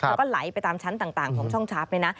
แล้วก็ไหลไปตามชั้นต่างของช่องชาร์ฟเลยนะ